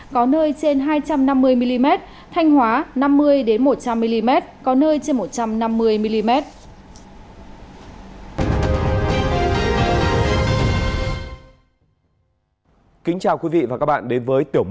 có nơi trên hai trăm năm mươi mm thanh hóa năm mươi một trăm linh mm có nơi trên một trăm năm mươi mm